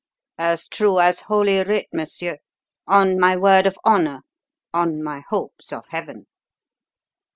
"As true as Holy Writ, monsieur. On my word of honour. On my hopes of heaven!"